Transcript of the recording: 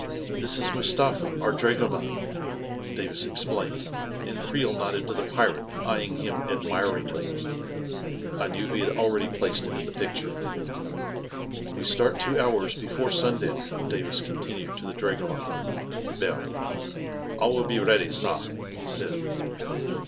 "This is Mustafa, our drago man," Davis explained, and Creel nodded to the pirate, eyeing him admiringly. I knew he had al ready placed him in the picture. " We start two hours before sundown," Davis continued to the dragoman, who bowed. " All will be ready, saar," he said.